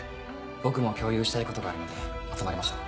僕も共有したいことがあるので集まりましょう。